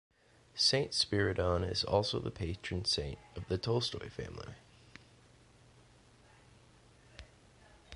Saint Spyridon is also the patron saint of the Tolstoy family.